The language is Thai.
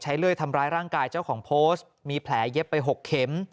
เลื่อยทำร้ายร่างกายเจ้าของโพสต์มีแผลเย็บไป๖เข็ม